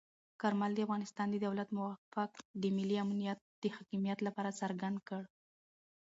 کارمل د افغانستان د دولت موقف د ملي امنیت او حاکمیت لپاره څرګند کړ.